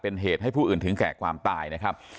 เป็นเหตุให้ผู้อื่นถึงแก่ความตายนะครับ